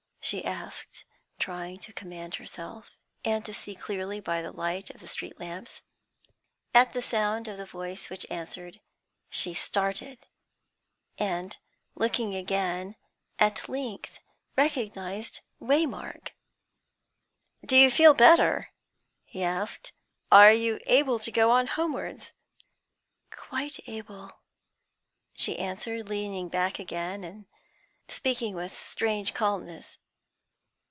she asked, trying to command herself, and to see clearly by the light of the street lamps. At the sound of the voice which answered, she started, and, looking again, at length recognised Waymark. "Do you feel better?" he asked. "Are you able to go on homewards?" "Quite able," she answered, leaning back again, and speaking with strange calmness.